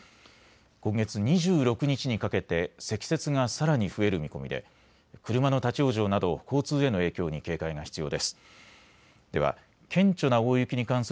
今月２６日にかけて積雪がさらに増える見込みで車の立往生など交通への影響に警戒が必要です。